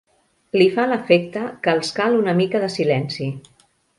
Li fa l'efecte que els cal una mica de silenci.